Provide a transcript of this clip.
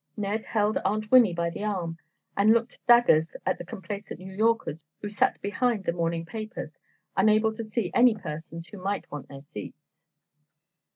Ned held Aunt Winnie by the arm and looked daggers at the complacent New Yorkers who sat behind the morning papers, unable to see any persons who might want their seats.